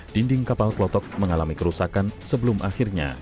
dinding kapal klotok mengalami kerusakan sebelum akhirnya